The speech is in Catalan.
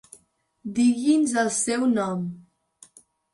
Digui'ns el seu nom?